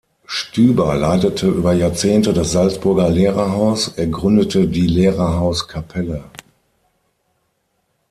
Stüber leitete über Jahrzehnte das Salzburger Lehrerhaus, er gründete die Lehrerhaus-Kapelle.